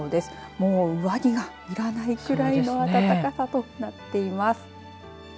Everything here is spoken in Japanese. もう上着がいらないくらいの暖かさとなっています。